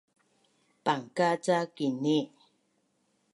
Pangka’ ca kini’